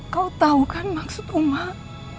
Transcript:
kau tahu kan maksud umat